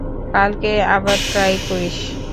কালকে আবার ট্রাই করিস।